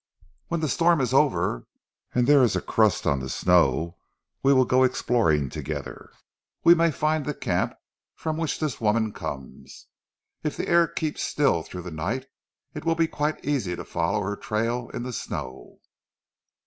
"When the storm is over and there is a crust on the snow we will go exploring together. We may find the camp from which this woman comes. If the air keeps still through the night, it will be quite easy to follow her trail in the snow."